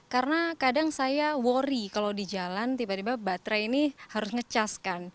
karena kadang saya worry kalau di jalan tiba tiba baterai ini harus nge charge kan